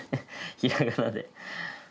ひらがなで。